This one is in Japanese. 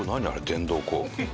電動工具。